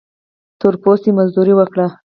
تور پوستي مزدوري وکړي.